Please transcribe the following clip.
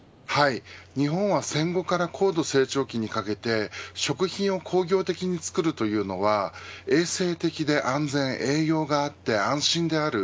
日本は戦後から高度成長期にかけて食品を工業的に作るというのは衛生的で安全、栄養があって安心である。